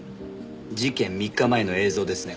事件３日前の映像ですね。